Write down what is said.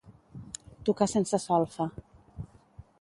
Tocar sense solfa.